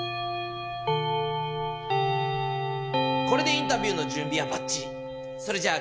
これでインタビューの準備はばっちり！